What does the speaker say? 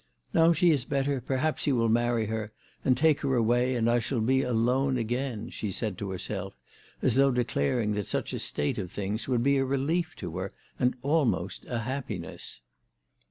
" Now she is better perhaps he will marry her and take her away, and I shall be alone again/' she said to herself, as though declaring that such a state of things would be a relief to her, and almost a happiness.